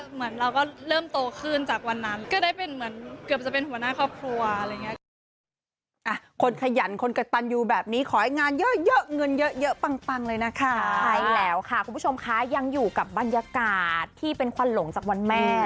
เหมือนเราก็เริ่มโตขึ้นจากวันนั้นก็ได้เป็นเหมือนเกือบจะเป็นหัวหน้าครอบครัวอะไรอย่างนี้ค่ะ